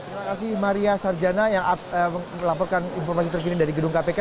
terima kasih maria sarjana yang melaporkan informasi terkini dari gedung kpk